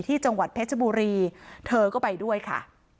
จังหวัดเพชรบุรีเธอก็ไปด้วยค่ะ